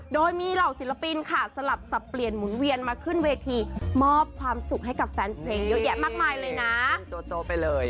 โดยมีเหล่าศิลปินค่ะสลับสับเปลี่ยนหมุนเวียนมาขึ้นเวทีมอบความสุขให้กับแฟนเพลงเยอะแยะมากมายเลยนะ